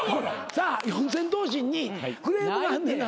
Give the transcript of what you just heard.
さあ四千頭身にクレームがあんねんな？